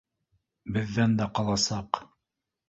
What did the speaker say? Беҙҙән дә ҡаласаҡ